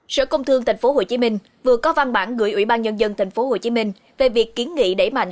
sở công thương tp hcm vừa có văn bản gửi ủy ban nhân dân tp hcm về việc kiến nghị đẩy mạnh